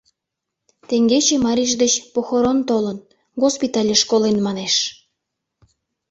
Теҥгече марийже деч похорон толын, госпиталеш колен, манеш...